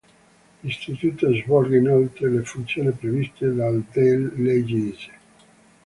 L'Istituto svolge inoltre le funzioni previste dal d. lgs.